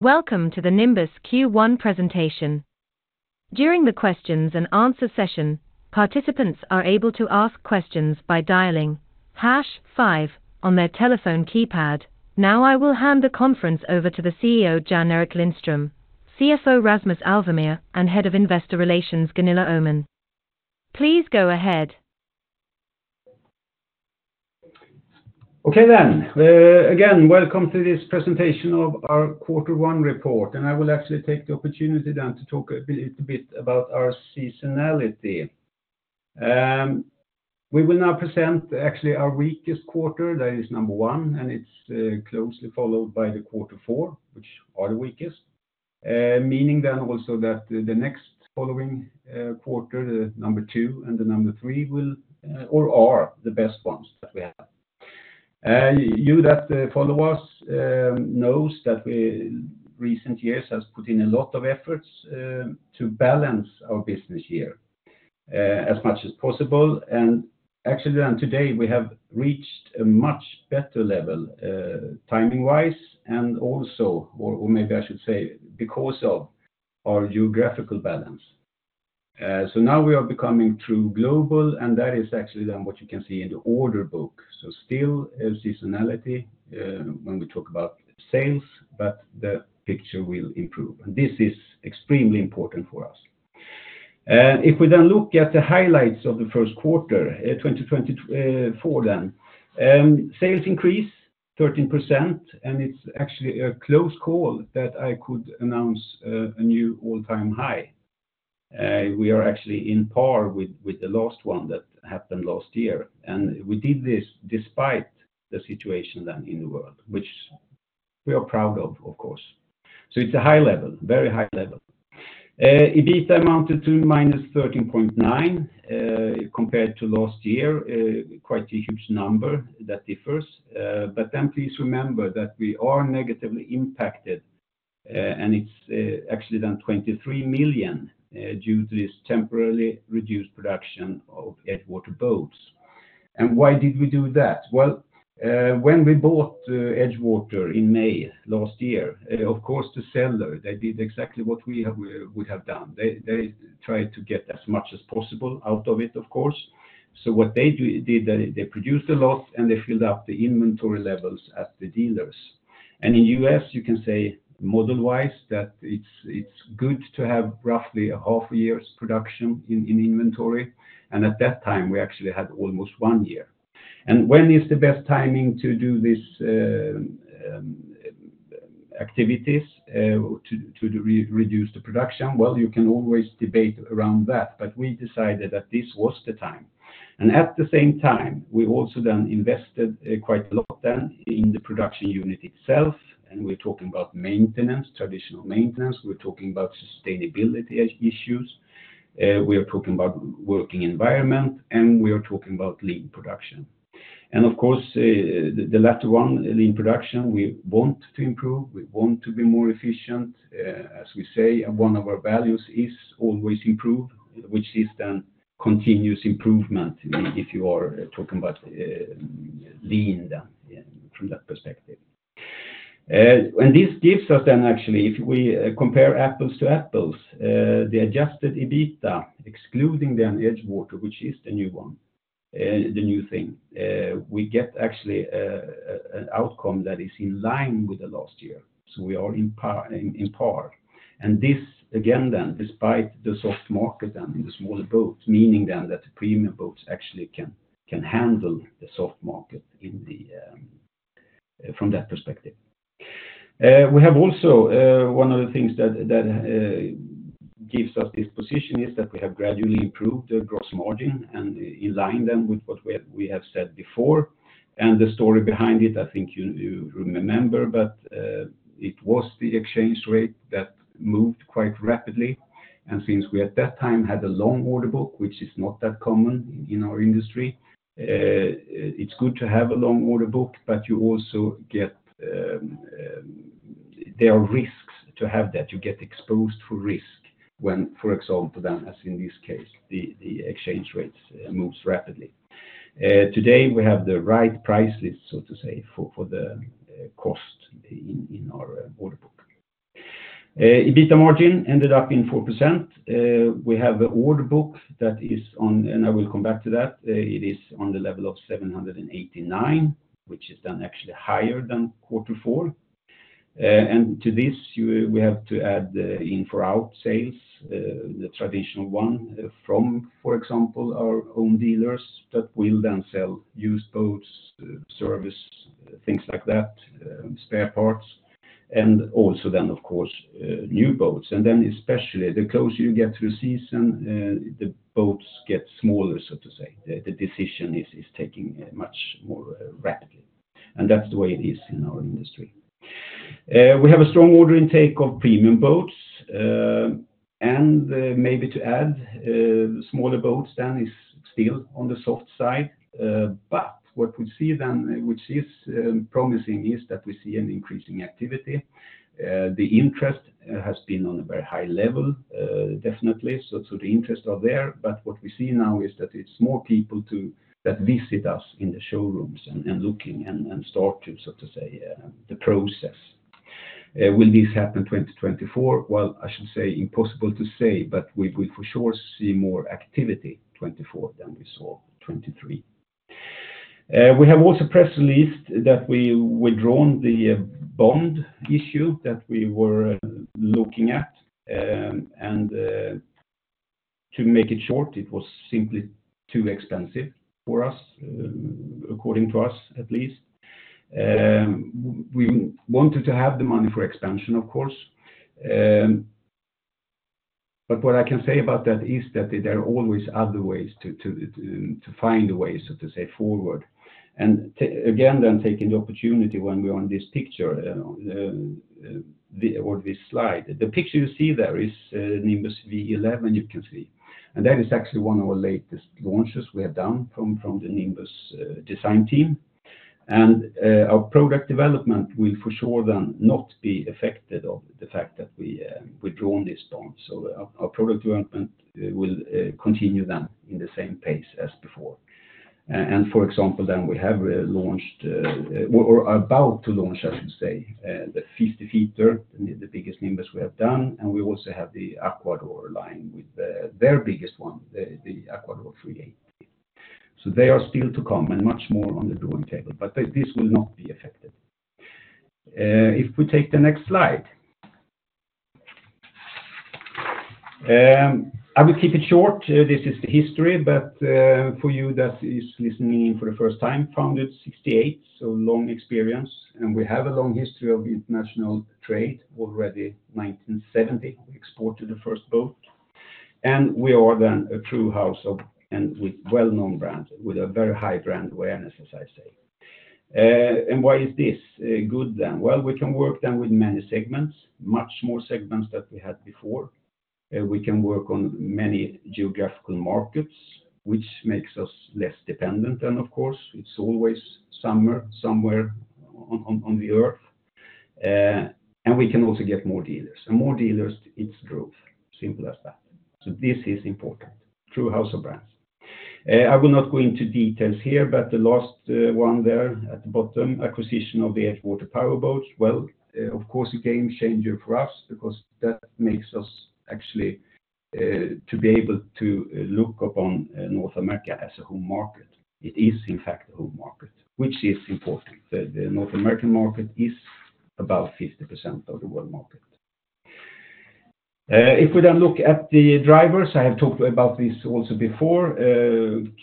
Welcome to the Nimbus Q1 presentation. During the questions and answers session, participants are able to ask questions by dialing #5 on their telephone keypad. Now I will hand the conference over to the CEO Jan-Erik Lindström, CFO Rasmus Alvemyr, and Head of Investor Relations Gunilla Öhman. Please go ahead. Okay then. Again, welcome to this presentation of our Q1 report, and I will actually take the opportunity then to talk a little bit about our seasonality. We will now present actually our weakest quarter, that is one, and it's closely followed by the Q4, which are the weakest, meaning then also that the next following quarter, the two and the three, will or are the best ones that we have. You that follow us know that recent years have put in a lot of efforts to balance our business year as much as possible. Actually then today we have reached a much better level timing-wise and also, or maybe I should say, because of our geographical balance. So now we are becoming true global, and that is actually then what you can see in the order book. So still seasonality when we talk about sales, but the picture will improve, and this is extremely important for us. If we then look at the highlights of the first quarter 2024, then sales increased 13%, and it's actually a close call that I could announce a new all-time high. We are actually on par with the last one that happened last year, and we did this despite the situation then in the world, which we are proud of, of course. So it's a high level, very high level. EBITDA amounted to -13.9 million compared to last year, quite a huge number that differs. But then please remember that we are negatively impacted, and it's actually then 23 million due to this temporarily reduced production of EdgeWater boats. And why did we do that? Well, when we bought EdgeWater in May last year, of course, the seller, they did exactly what we would have done. They tried to get as much as possible out of it, of course. So what they did, they produced a lot and they filled up the inventory levels at the dealers. And in the U.S., you can say model-wise that it's good to have roughly a half a year's production in inventory. And at that time we actually had almost one year. And when is the best timing to do these activities to reduce the production? Well, you can always debate around that, but we decided that this was the time. And at the same time, we also then invested quite a lot then in the production unit itself. And we're talking about maintenance, traditional maintenance. We're talking about sustainability issues. We are talking about working environment, and we are talking about lean production. And of course, the latter one, lean production, we want to improve. We want to be more efficient. As we say, one of our values is always improve, which is then continuous improvement if you are talking about lean from that perspective. And this gives us then actually, if we compare apples to apples, the Adjusted EBITDA, excluding then EdgeWater, which is the new one, the new thing, we get actually an outcome that is in line with the last year. So we are in par. And this again then, despite the soft market then in the smaller boats, meaning then that the premium boats actually can handle the soft market from that perspective. We have also one of the things that gives us this position is that we have gradually improved the gross margin and in line then with what we have said before. And the story behind it, I think you remember, but it was the exchange rate that moved quite rapidly. And since we at that time had a long order book, which is not that common in our industry, it's good to have a long order book, but you also get there are risks to have that. You get exposed for risk when, for example, then as in this case, the exchange rates moves rapidly. Today we have the right price list, so to say, for the cost in our order book. EBITDA margin ended up in 4%. We have an order book that is on, and I will come back to that. It is on the level of 789, which is then actually higher than Q4. And to this, we have to add in for our sales, the traditional one from, for example, our own dealers that will then sell used boats, service, things like that, spare parts, and also then, of course, new boats. And then especially the closer you get to the season, the boats get smaller, so to say. The decision is taking much more rapidly, and that's the way it is in our industry. We have a strong order intake of premium boats, and maybe to add, smaller boats then is still on the soft side. But what we see then, which is promising, is that we see an increasing activity. The interest has been on a very high level, definitely. So the interests are there. But what we see now is that it's more people that visit us in the showrooms and looking and start to, so to say, the process. Will this happen 2024? Well, I should say impossible to say, but we will for sure see more activity 2024 than we saw 2023. We have also press released that we have withdrawn the bond issue that we were looking at. And to make it short, it was simply too expensive for us, according to us at least. We wanted to have the money for expansion, of course. But what I can say about that is that there are always other ways to find a way, so to say, forward. And again then taking the opportunity when we are in this picture or this slide, the picture you see there is Nimbus W11, you can see. That is actually one of our latest launches we have done from the Nimbus design team. Our product development will for sure then not be affected of the fact that we withdrawn this bond. So our product development will continue then in the same pace as before. For example, then we have launched or are about to launch, I should say, the 50-footer, the biggest Nimbus we have done. We also have the Aquador line with their biggest one, the Aquador 380. So they are still to come and much more on the drawing table, but this will not be affected. If we take the next slide. I will keep it short. This is the history, but for you that is listening in for the first time, founded 1968, so long experience, and we have a long history of international trade already. 1970, we exported the first boat, and we are then a true house of and with well-known brand with a very high brand awareness, as I say. And why is this good then? Well, we can work then with many segments, much more segments than we had before. We can work on many geographical markets, which makes us less dependent then, of course. It's always summer somewhere on the earth. And we can also get more dealers and more dealers. It's growth, simple as that. So this is important, true house of brands. I will not go into details here, but the last one there at the bottom, acquisition of the EdgeWater Power Boats. Well, of course, a game changer for us because that makes us actually to be able to look upon North America as a home market. It is, in fact, a home market, which is important. The North American market is about 50% of the world market. If we then look at the drivers, I have talked about this also before.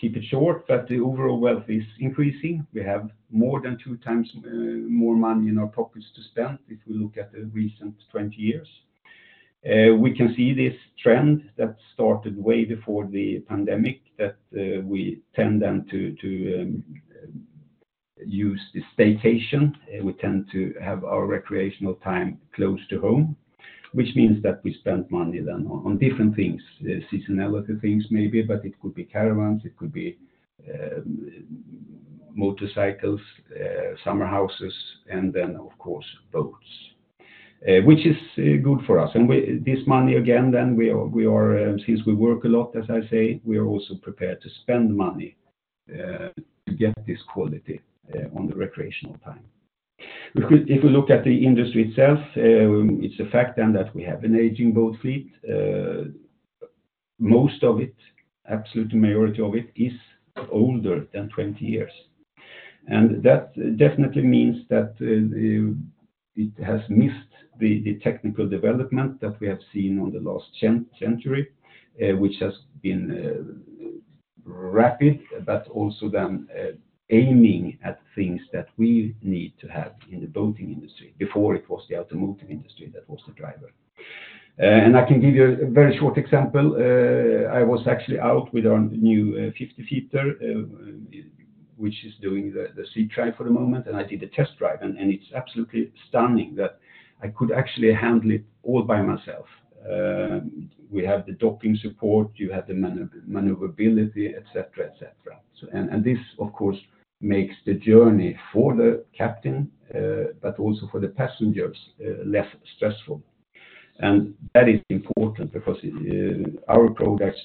Keep it short, but the overall wealth is increasing. We have more than 2x more money in our pockets to spend. If we look at the recent 20 years, we can see this trend that started way before the pandemic that we tend then to use the staycation. We tend to have our recreational time close to home, which means that we spend money then on different things, seasonality things maybe, but it could be caravans, it could be motorcycles, summer houses, and then, of course, boats, which is good for us. And this money again then we are since we work a lot, as I say, we are also prepared to spend money to get this quality on the recreational time. If we look at the industry itself, it's a fact then that we have an aging boat fleet. Most of it, absolute majority of it is older than 20 years. And that definitely means that it has missed the technical development that we have seen on the last century, which has been rapid, but also then aiming at things that we need to have in the boating industry before it was the automotive industry that was the driver. And I can give you a very short example. I was actually out with our new 50-footer, which is doing the sea trial for the moment, and I did a test drive, and it's absolutely stunning that I could actually handle it all by myself. We have the docking support. You have the maneuverability, etc., etc. This, of course, makes the journey for the captain, but also for the passengers, less stressful. That is important because our products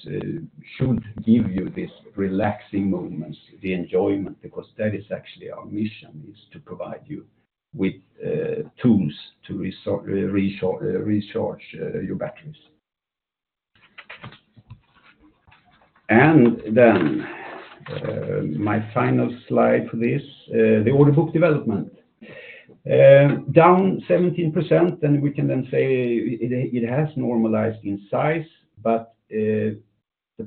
should give you these relaxing moments, the enjoyment, because that is actually our mission, is to provide you with tools to recharge your batteries. Then my final slide for this, the order book development down 17%. We can then say it has normalized in size, but the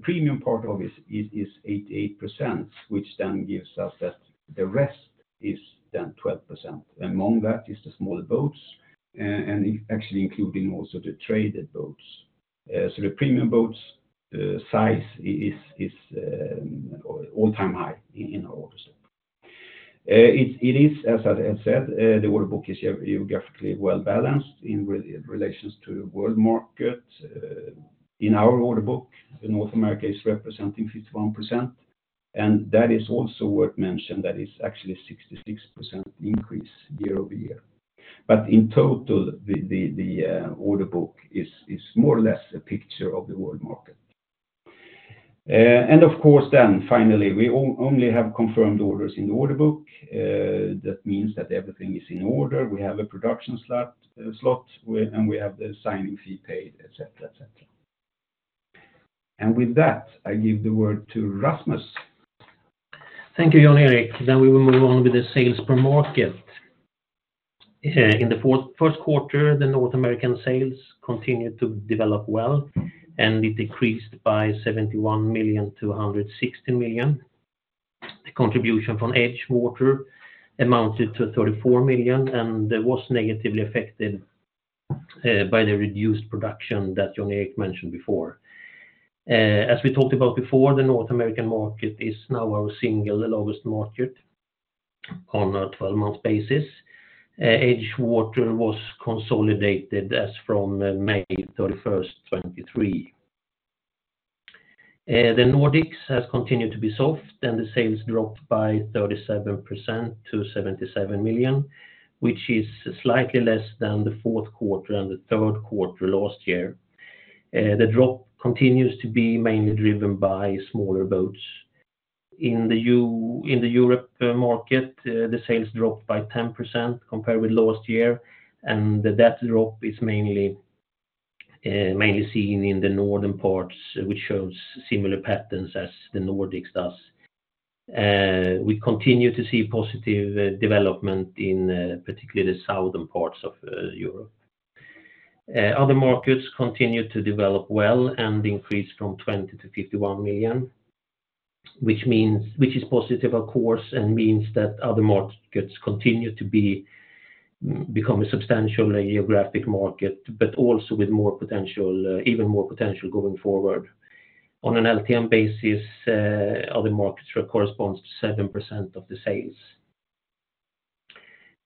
premium part of it is 88%, which then gives us that the rest is then 12%. Among that is the smaller boats and actually including also the traded boats. The premium boats size is all-time high in our order stock. It is, as I said, the order book is geographically well balanced in relations to the world market. In our order book, North America is representing 51%, and that is also worth mentioning. That is actually a 66% increase year-over-year. But in total, the order book is more or less a picture of the world market. And of course, then finally, we only have confirmed orders in the order book. That means that everything is in order. We have a production slot and we have the signing fee paid, etc., etc. And with that, I give the word to Rasmus. Thank you, Jan-Erik. Then we will move on with the sales per market. In the first quarter, the North American sales continued to develop well and it decreased by 71 million, 216 million. The contribution from EdgeWater amounted to 34 million and was negatively affected by the reduced production that Jan-Erik mentioned before. As we talked about before, the North American market is now our single largest market on a 12-month basis. EdgeWater was consolidated as from May 31st, 2023. The Nordics has continued to be soft and the sales dropped by 37% to 77 million, which is slightly less than the fourth quarter and the third quarter last year. The drop continues to be mainly driven by smaller boats. In the Europe market, the sales dropped by 10% compared with last year, and that drop is mainly seen in the northern parts, which shows similar patterns as the Nordics does. We continue to see positive development in particularly the southern parts of Europe. Other markets continue to develop well and increase from 20 million to 51 million, which is positive, of course, and means that other markets continue to become a substantial geographic market, but also with even more potential going forward. On an LTM basis, other markets correspond to 7% of the sales.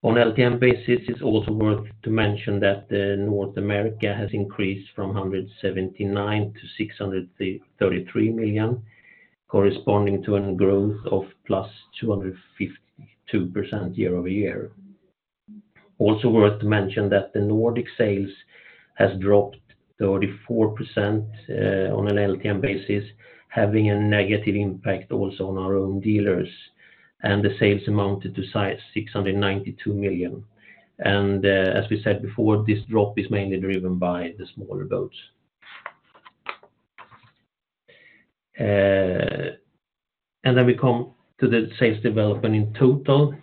On LTM basis, it's also worth mentioning that North America has increased from 179 million to 633 million, corresponding to a growth of +252% year-over-year. It's also worth mentioning that the Nordic sales have dropped -34% on an LTM basis, having a negative impact also on our own dealers, and the sales amounted to 692 million. As we said before, this drop is mainly driven by the smaller boats. Then we come to the sales development in total.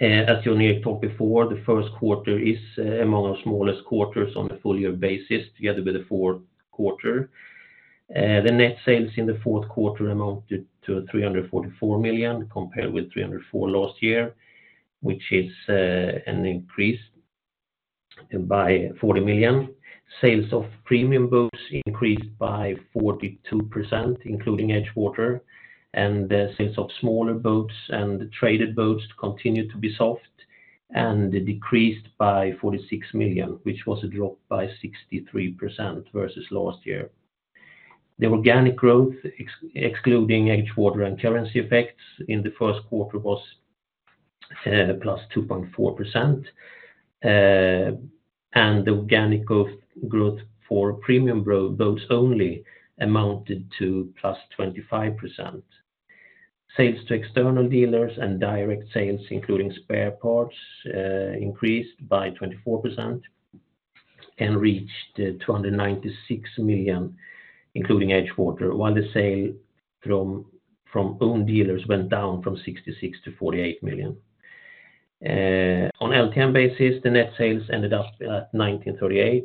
As Jan-Erik talked before, the first quarter is among our smallest quarters on a full year basis together with the fourth quarter. The net sales in the fourth quarter amounted to 344 million compared with 304 million last year, which is an increase by 40 million. Sales of premium boats increased by 42%, including EdgeWater, and the sales of smaller boats and traded boats continue to be soft and decreased by 46 million, which was a drop by 63% versus last year. The organic growth, excluding EdgeWater and currency effects in the first quarter, was +2.4%. The organic growth for premium boats only amounted to +25%. Sales to external dealers and direct sales, including spare parts, increased by 24% and reached 296 million, including EdgeWater, while the sale from own dealers went down from 66 million to 48 million. On LTM basis, the net sales ended up at 1,938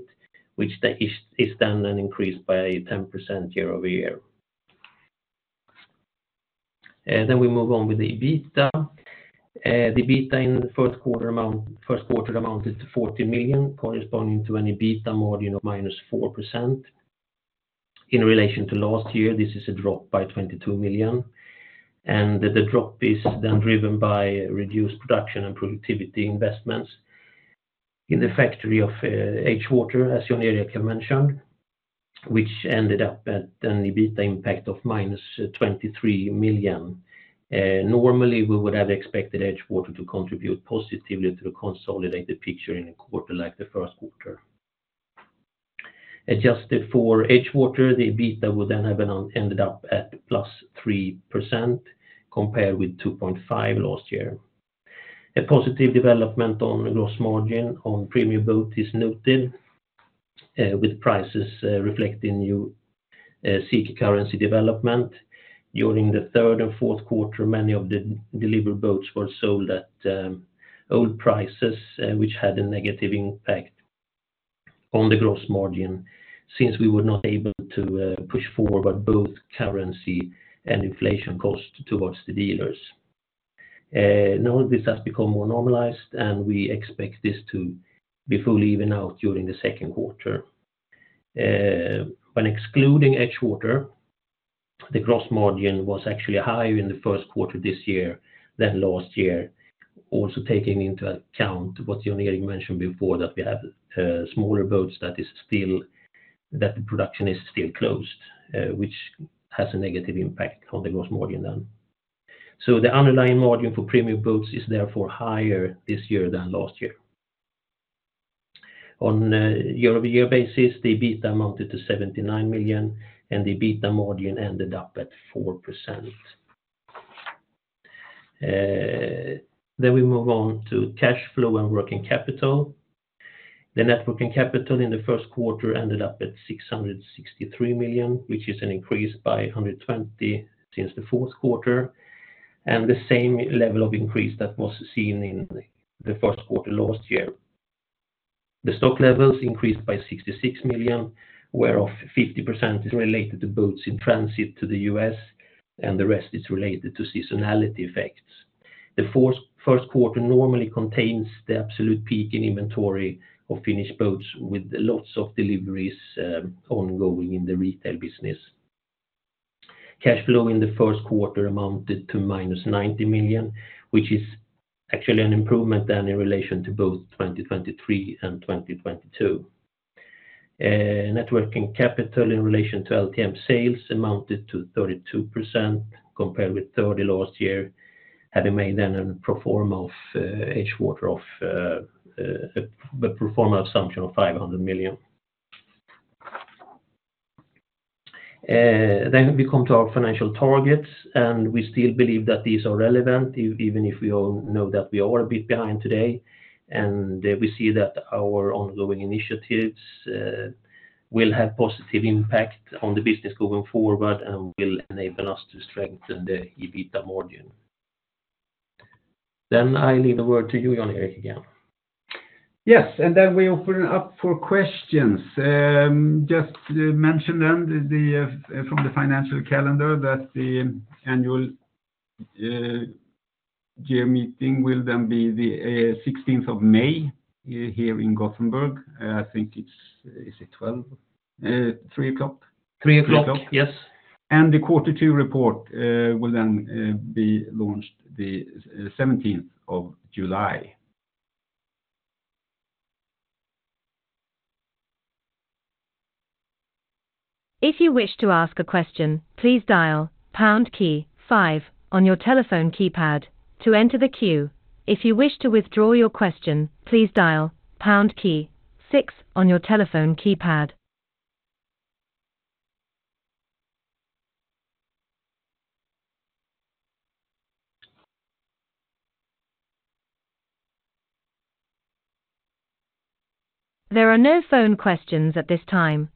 million, which is then an increase by 10% year-over-year. Then we move on with the EBITDA. The EBITDA in the first quarter amounted to 14 million, corresponding to an EBITDA margin of -4% in relation to last year. This is a drop by 22 million. The drop is then driven by reduced production and productivity investments in the factory of EdgeWater, as Jan-Erik mentioned, which ended up at an EBITDA impact of -23 million. Normally, we would have expected EdgeWater to contribute positively to the consolidated picture in a quarter like the first quarter. Adjusted for EdgeWater, the EBITDA would then have ended up at +3% compared with 2.5% last year. A positive development on gross margin on premium boats is noted, with prices reflecting new SEK currency development. During the third and fourth quarter, many of the delivered boats were sold at old prices, which had a negative impact on the gross margin since we were not able to push forward both currency and inflation costs towards the dealers. Now this has become more normalized, and we expect this to be fully even out during the second quarter. When excluding EdgeWater, the gross margin was actually higher in the first quarter this year than last year, also taking into account what Jan-Erik mentioned before, that we have smaller boats that the production is still closed, which has a negative impact on the gross margin then. So the underlying margin for premium boats is therefore higher this year than last year. On a year-over-year basis, the EBITDA amounted to 79 million, and the EBITDA margin ended up at 4%. Then we move on to cash flow and working capital. The net working capital in the first quarter ended up at 663 million, which is an increase by 120 million since the fourth quarter and the same level of increase that was seen in the first quarter last year. The stock levels increased by 66 million, whereof 50% is related to boats in transit to the U.S., and the rest is related to seasonality effects. The first quarter normally contains the absolute peak in inventory of finished boats with lots of deliveries ongoing in the retail business. Cash flow in the first quarter amounted to minus 90 million, which is actually an improvement than in relation to both 2023 and 2022. Net working capital in relation to LTM sales amounted to 32% compared with 30% last year, having made then a pro forma assumption of SEK 500 million. We come to our financial targets, and we still believe that these are relevant, even if we all know that we are a bit behind today. We see that our ongoing initiatives will have positive impact on the business going forward and will enable us to strengthen the EBITDA margin. Then I leave the word to you, Jan-Erik, again. Yes. And then we open up for questions. Just mention then from the financial calendar that the annual year meeting will then be the 16th of May here in Gothenburg. I think it's 12:00. 3:00. 3:00. Yes. And the quarter two report will then be launched the 17th of July. If you wish to ask a question, please dial pound key five on your telephone keypad to enter the queue. If you wish to withdraw your question, please dial pound key six on your telephone keypad. There are no phone questions at this time,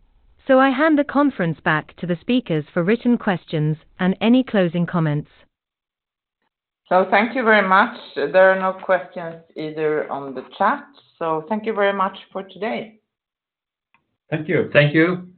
so I hand the conference back to the speakers for written questions and any closing comments. So thank you very much. There are no questions either on the chat. So thank you very much for today. Thank you. Thank you.